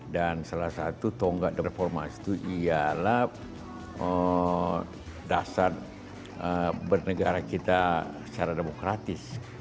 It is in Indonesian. dan salah satu tonggak reformasi itu ialah dasar bernegara kita secara demokratis